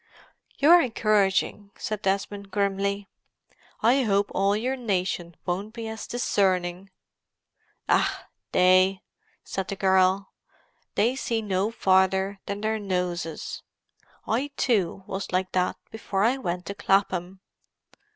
"You're encouraging," said Desmond grimly. "I hope all your nation won't be as discerning." "Ach—they!" said the girl. "They see no farther than their noses. I, too, was like that before I went to Clapham."